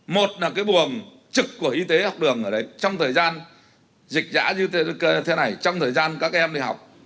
một là cái buồng trực của y tế học đường ở đấy trong thời gian dịch giã như thế này trong thời gian các em đi học